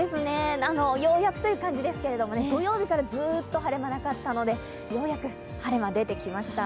ようやくという感じですけど、土曜日からずっと晴れ間なかったのでようやく晴れ間、出てきました。